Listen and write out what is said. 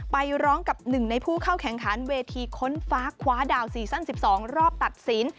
ไปร้องกับหนึ่งในผู้เข้าแข่งขันเวทีค้นฟ้าคว้าดาวซีซั่น๑๒รอบตัดสิน